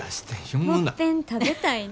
「もっぺん食べたいな」。